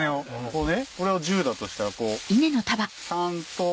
こうねこれを１０だとしたらこう。